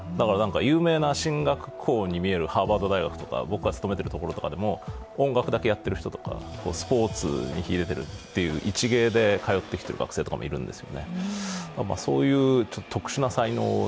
有名な進学校に見えるハーバード大学とか、僕が勤めているところとかでも、音楽だけやっている人とか、スポーツに秀でてるという、一芸で通ってきてる学生もいるんです。